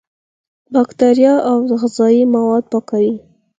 بکتریا او غذایي مواد پاکوي.